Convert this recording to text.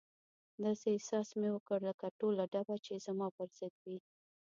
داسې احساس مې وکړ لکه ټوله ډبه چې زما پر ضد وي.